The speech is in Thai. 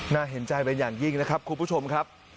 เห็นใจเป็นอย่างยิ่งนะครับคุณผู้ชมครับ